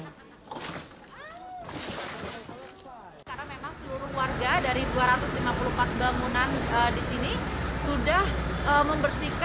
karena memang seluruh warga dari dua ratus lima puluh empat bangunan di sini sudah membersihkan